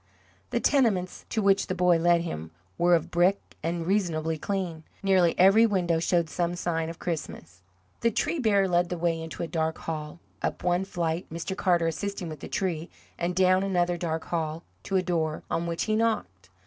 The tenements to which the boy led him were of brick, and reasonably clean. Nearly every window showed some sign of Christmas. The tree bearer led the way into a dark hall, up one flight Mr. Carter assisting with the tree and down another dark hall, to a door, on which he knocked.